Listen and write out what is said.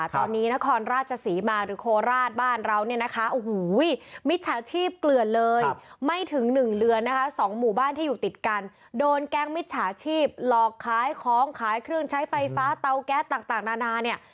ตอนนี้นครราชศรีบ้างหรือโค